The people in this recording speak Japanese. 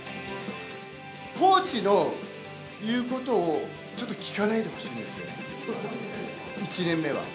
コーチの言うことをちょっと聞かないでほしいんですよ、１年目は。